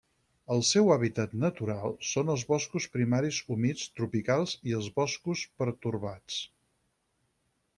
El seu hàbitat natural són els boscos primaris humits tropicals i els boscos pertorbats.